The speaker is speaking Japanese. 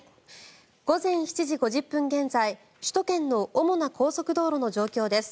午前７時５０分現在首都圏の主な高速道路の状況です。